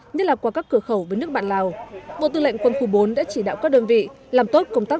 nhất là qua các cửa khẩu với nước bạn lào bộ tư lệnh quân khu bốn đã chỉ đạo các đơn vị làm tốt công tác